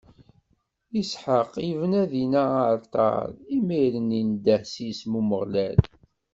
Isḥaq ibna dinna aɛalṭar, imiren indeh s yisem n Umeɣlal.